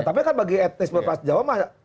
tapi kan bagi etnis jawa mah